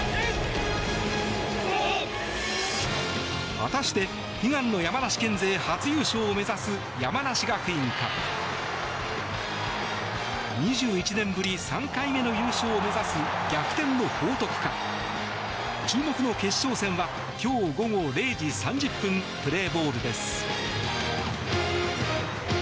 果たして悲願の山梨県勢初優勝を目指す山梨学院か２１年ぶり３回目の優勝を目指す逆転の報徳か注目の決勝戦は今日午後０時３０分プレーボールです。